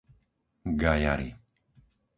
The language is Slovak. Gajary